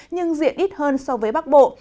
nhưng diện ít hơn so với bắc bộ